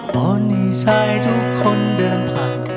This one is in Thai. เพราะในชายทุกคนเดินผ่า